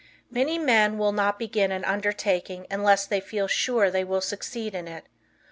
Many men will not begin an undertaking unless they feel sure they will succeed in it.